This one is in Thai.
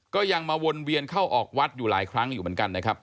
ก็ยังมาวนเวียนเข้าออกวัดอยู่หลายครั้งอยู่เหมือนกันนะครับ